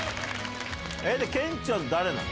で健ちゃん誰なの？